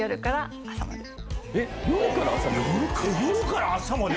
夜から朝まで？